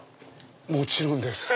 もちろんです。